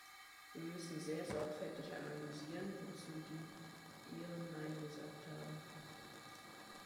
Wir müssen sehr sorgfältig analysieren, wozu die Iren "Nein" gesagt haben.